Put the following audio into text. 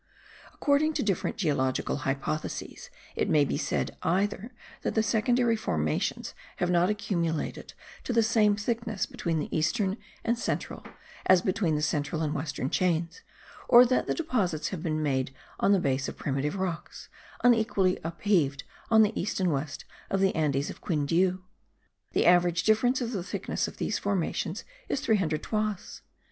According to different geological hypotheses, it may be said either that the secondary formations have not accumulated to the same thickness between the eastern and central, as between the central and western chains; or, that the deposits have been made on the base of primitive rocks, unequally upheaved on the east and west of the Andes of Quindiu. The average difference of the thickness of these formations is 300 toises.